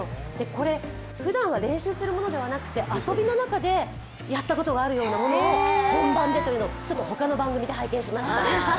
これ、ふだんは練習するものではなくて遊びの中でやったことがあるようなものを本番でというのは、ちょっと他の番組で拝見しました。